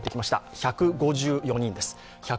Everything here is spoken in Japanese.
１５４人です。